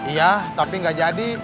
iya tapi nggak jadi